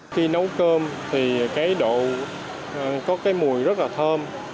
khi nấu cơm thì cái độ có cái mùi rất là thơm